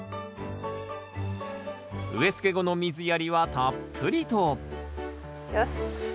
植えつけ後の水やりはたっぷりとよし。